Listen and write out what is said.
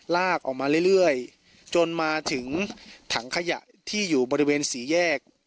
ลากออกมาเรื่อยจนมาถึงถังขยะที่อยู่บริเวณสี่แยก